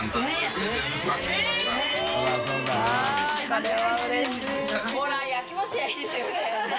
これはうれしい。